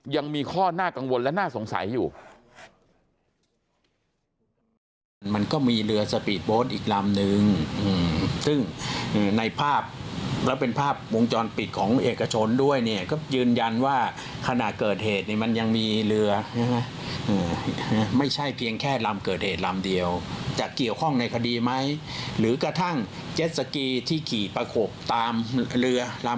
ยังมีข้อน่ากังวลและน่าสงสัยอยู่